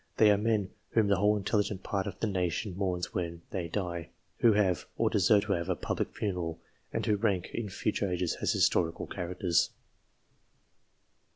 They are men whom the whole intelligent part of the nation mourns when they die ; who have, or deserve to have, a public funeral ; and who rank in future ages as historical characters.